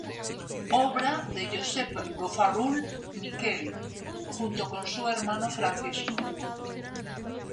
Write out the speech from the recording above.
Obra de Josep Bofarull Miquel, junto con su hermano Francisco.